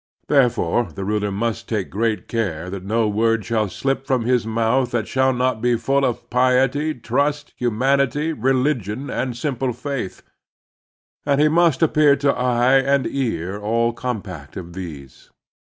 ... Therefore a ruler must take great care that no word shall slip from his mouth that shall not be full of piety, trust, htimanity, religion, and simple faith, and he must appear to eye and ear all com pact of these